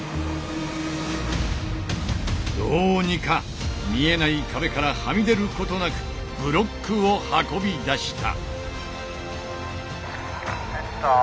どうにか見えない壁からはみ出ることなくブロックを運び出した！